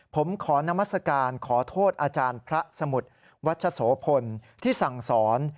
ผมขอนามัศกาลขอโทษอาจารย์พระสมุทรวัชโสพลที่สั่งสอน